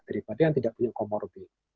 daripada yang tidak punya komorbit